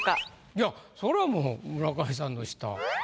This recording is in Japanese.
いやそれはもう村上さんの下。